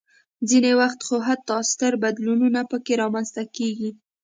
ځینې وخت خو حتی ستر بدلونونه پکې رامنځته کېږي.